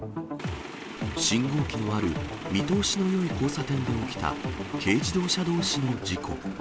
信号機のある見通しのよい交差点で起きた軽自動車どうしの事故。